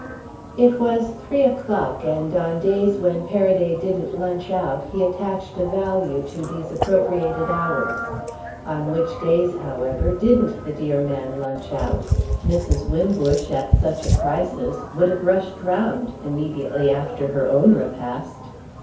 It was three o'clock, and on days when Paraday didn't lunch out he attached a value to these appropriated hours. On which days, however, didn't the dear man lunch out? Mrs. Wimbush, at such a crisis, would have rushed round immediately after her own repast.